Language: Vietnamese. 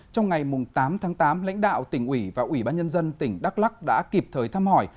trong ngày tám tháng tám lãnh đạo tỉnh ủy và ủy ban nhân dân tỉnh đắk lắc đã kịp thời thăm hỏi